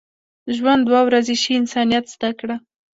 ژوند دوه ورځې شي، انسانیت زده کړه.